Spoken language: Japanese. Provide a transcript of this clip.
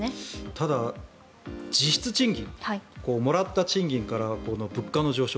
ただ、実質賃金もらった賃金から物価の上昇。